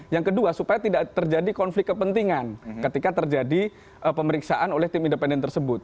yang kedua supaya tidak terjadi konflik kepentingan ketika terjadi pemeriksaan oleh tim independen tersebut